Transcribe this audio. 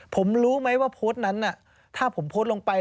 ผมรู้ไหมว่าโพสต์นั้นถ้าผมโพสต์ลงไป